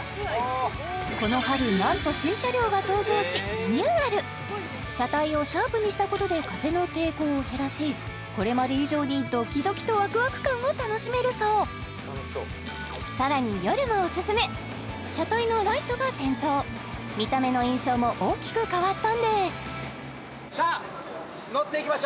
この春なんと新車両が登場しリニューアル車体をシャープにしたことで風の抵抗を減らしこれまで以上にドキドキとワクワク感を楽しめるそうさらに夜もおすすめ車体のライトが点灯見た目の印象も大きく変わったんです